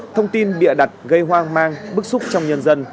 thông tin bịa đặt gây hoang mang bức xúc trong nhân dân